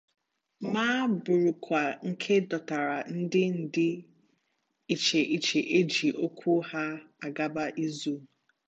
ma bụrụkwa nke dọtara ndị dị iche iche e ji okwu ha agba ìzù